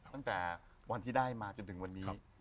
ตั้งแต่วันที่ได้มาจนถึงวันนี้